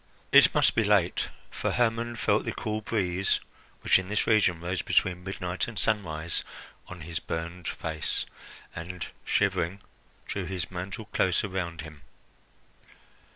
It must be late, for Hermon felt the cool breeze, which in this region rose between midnight and sunrise, on his burned face and, shivering, drew his mantle closer round him.